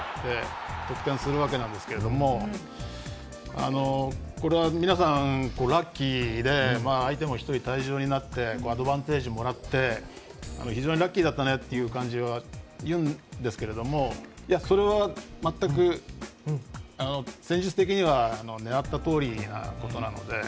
得点するわけなんですけれどもこれは皆さん相手も１人退場になってアドバンテージをもらって非常にラッキーだったねって言うんですけれどもそれは全く戦術的には狙ったとおりのことなので。